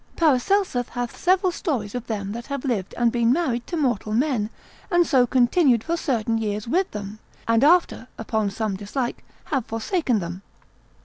Paracelsus hath several stories of them that have lived and been married to mortal men, and so continued for certain years with them, and after, upon some dislike, have forsaken them.